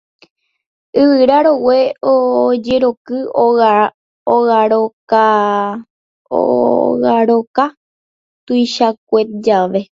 yvyra rogue ojeroky ogaroka tuichakue jave